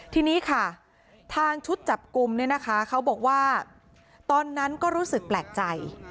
ทีนี้ค่ะทางชุดจับกลุ่มเนี่ยนะคะเขาบอกว่าตอนนั้นก็รู้สึกแปลกใจ